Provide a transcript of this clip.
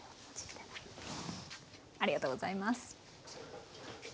ありがとうございます。